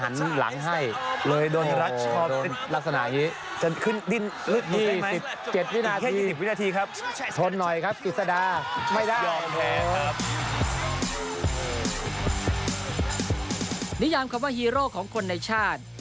นิยามคำว่าฮีโร่ของคนในชาติ